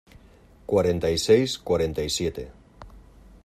cuarenta y seis, cuarenta y siete.